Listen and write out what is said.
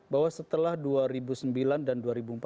bahwa setelah dua ribu sembilan dan dua ribu empat belas